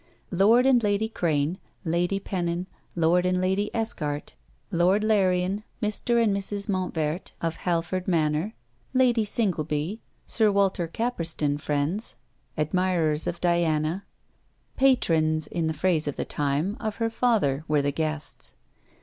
Lord and Lady Crane, Lady Pennon, Lord and Lady Esquart, Lord Larrian, Mr. and Mrs. Montvert of Halford Manor, Lady Singleby, Sir Walter Capperston friends, admirers of Diana; patrons, in the phrase of the time, of her father, were the guests.